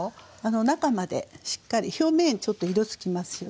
中までしっかり表面にちょっと色つきますよね。